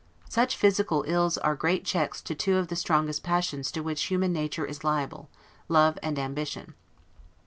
Such physical ills are great checks to two of the strongest passions to which human nature is liable, love and ambition.